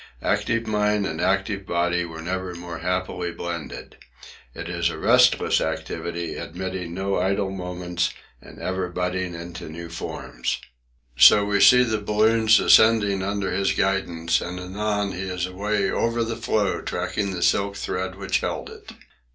Active mind and active body were never more happily blended. It is a restless activity, admitting no idle moments and ever budding into new forms. So we see the balloons ascending under his guidance and anon he is away over the floe tracking the silk thread which held it.